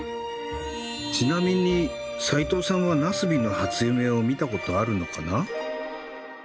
ちなみに斉藤さんはなすびの初夢を見たことあるのかな？